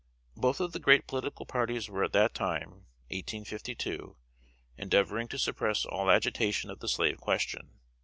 Both of the great political parties were at that time (1852) endeavoring to suppress all agitation of the slave question.